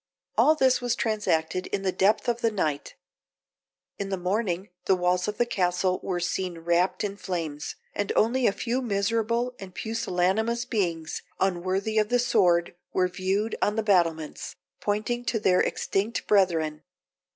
All this was transacted in the depth of the night. In the morning the walls of the castle were seen wrapt in flames, and only a few miserable and pusillanimous beings, unworthy of the sword, were viewed on the battlements, pointing to their extinct brethren.